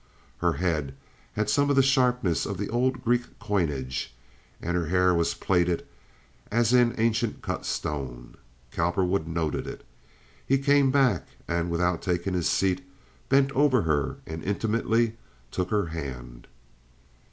Her head had some of the sharpness of the old Greek coinage, and her hair was plaited as in ancient cut stone. Cowperwood noted it. He came back and, without taking his seat, bent over her and intimately took her hand.